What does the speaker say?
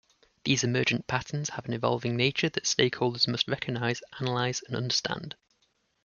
These emergent patterns have an evolving nature that stakeholders must recognize, analyze and understand.